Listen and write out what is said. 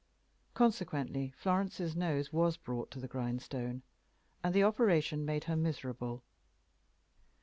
Consequently Florence's nose was brought to the grindstone, and the operation made her miserable.